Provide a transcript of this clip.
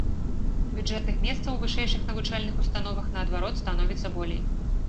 Бюджэтных месцаў ў вышэйшых навучальных установах, наадварот, становіцца болей.